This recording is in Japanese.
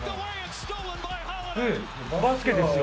バスケですよ